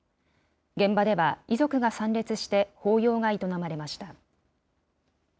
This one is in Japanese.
現場では遺族が参列して法要が営まれました。